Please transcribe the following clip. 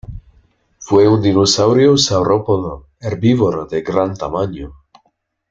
Fue un dinosaurio saurópodo herbívoro de gran tamaño.